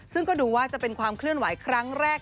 ซึ่งก็ดูว่าจะเป็นความเคลื่อนไหวครั้งแรก